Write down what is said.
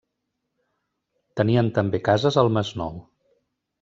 Tenien també cases al Masnou.